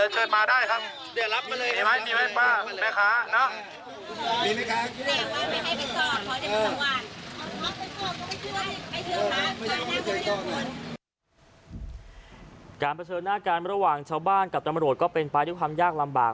การมีแรงประเธอหน้าการระหว่างชาวบ้านก็ตามรวดก็เป็นไปที่ความยากลำบาก